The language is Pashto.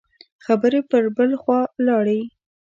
خبرې پر بل خوا لاړې.